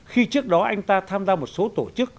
khi trước đó anh ta tham gia một số tổ chức